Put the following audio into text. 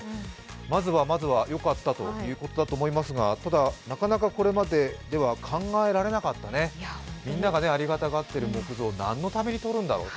まずはまずはよかったということだと思いますがただ、なかなかこれまででは考えられなかった、みんながありがたがっている木像をなんのためにとるんだろうと。